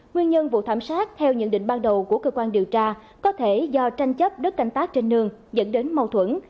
nguyên nhân vụ thảm sát theo nhận định ban đầu của cơ quan điều tra có thể do tranh chấp đất canh tác trên nương dẫn đến mâu thuẫn